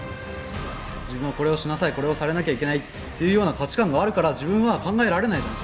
「自分はこれをしなさいこれをされなきゃいけない」っていうような価値観があるから自分は考えられないじゃん。